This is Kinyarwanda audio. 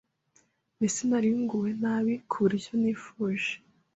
mbese nari nguwe nabi ku buryo nifuje